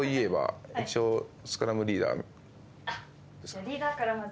じゃリーダーからまず。